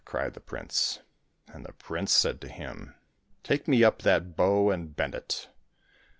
" cried the prince. And the prince said to him, " Take me up that bow and bend it